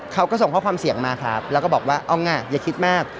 เขาก็ส่งข้อความเสียงมาครับแล้วก็บอกว่าเอาไงอย่าคิดมาก